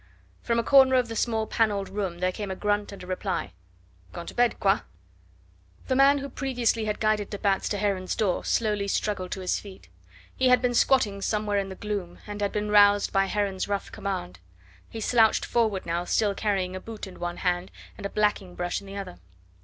From a corner of the small panelled room there came a grunt and a reply: "Gone to bed, quoi!" The man who previously had guided de Batz to Heron's door slowly struggled to his feet. He had been squatting somewhere in the gloom, and had been roused by Heron's rough command. He slouched forward now still carrying a boot in one hand and a blacking brush in the other.